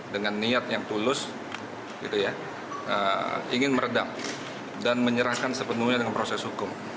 dengan niat yang tulus ingin meredam dan menyerahkan sepenuhnya dengan proses hukum